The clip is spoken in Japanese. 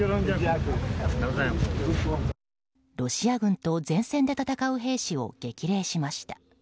ロシア軍と前線で戦う兵士を激励しました。